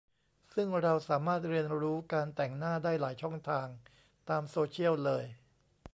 ซึ่งเราสามารถเรียนรู้การแต่งหน้าได้หลายช่องทางตามโซเชียลเลย